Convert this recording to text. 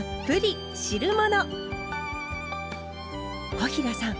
小平さん！